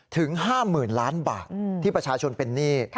ถึง๕๐๐๐ล้านบาทที่ประชาชนเป็นหนี้